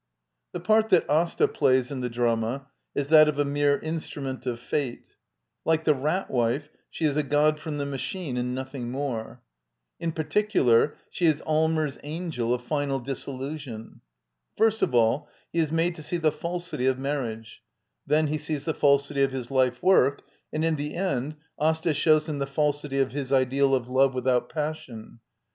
The part that Asta plays in the drama is that of a mere instrument of fate. Like the Rat Wife, she is a god from the machine, and nothing more. In particular, she is Allmers' angel of final disillusion. First of all, he is made to see the falsity of mar riage, then he sees the falsity of his life work, and in the end Asfa ^hnws him the faulty nf hjs iHpfll o f love wi tho ut pas sion.